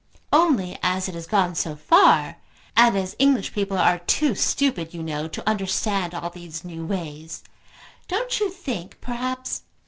Only as it has gone so far, and as English people are too stupid, you know, to understand all these new ways, don't you think perhaps